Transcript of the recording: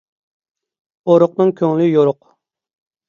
ئورۇقنىڭ كۆڭلى يورۇق.